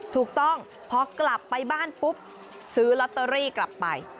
ถูกต้องพอกลับไปบ้านปุ๊บซื้อลอตเตอรี่กลับไป